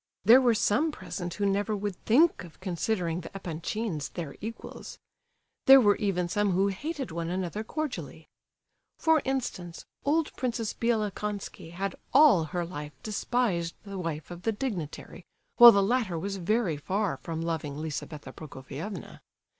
There were some present who never would think of considering the Epanchins their equals. There were even some who hated one another cordially. For instance, old Princess Bielokonski had all her life despised the wife of the "dignitary," while the latter was very far from loving Lizabetha Prokofievna.